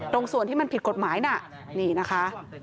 ตรงส่วนที่มันผิดกฎหมายน่ะนี่นะคะ